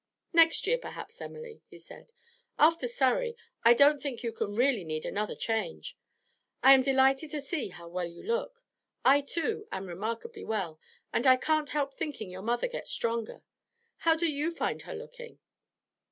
'Next year, perhaps, Emily,' he said. 'After Surrey, I don't think you can really need another change. I am delighted to see how well you look. I, too, am remarkably well, and I can't help thinking your mother gets stronger. How do you find her looking?'